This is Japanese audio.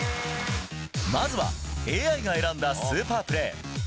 まずはＡＩが選んだスーパープレー。